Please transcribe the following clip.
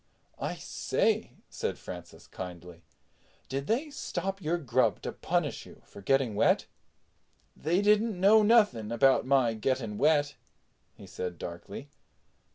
"I say," said Francis kindly, "did they stop your grub to punish you for getting wet?" "They didn't know nothing about my getting wet," he said darkly.